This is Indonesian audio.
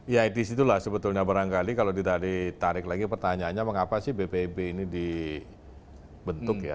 ya di situ lah sebetulnya barangkali kalau ditarik lagi pertanyaannya mengapa sih ppip ini dibentuk ya